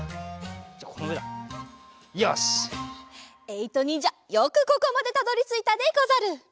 えいとにんじゃよくここまでたどりついたでござる。